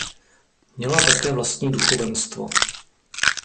Měla také vlastní duchovenstvo.